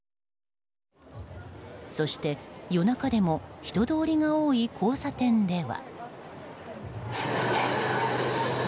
そして、夜中でも人通りが多い交差点では。